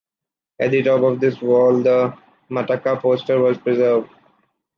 At the top of this wall the matacà posters are preserved.